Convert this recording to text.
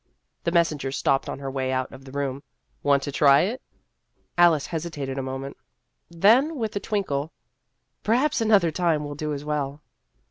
The messenger stopped on her way out of the room. " Want to try it ?" Alice hesitated a moment ; then with a twinkle, " Perhaps another time will do as well."